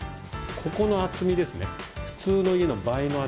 ここの厚みですね。